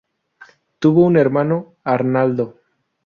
Tuvo un hermano: Arnaldo.